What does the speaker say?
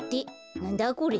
なんだこれ？